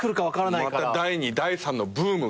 また第２第３のブームが。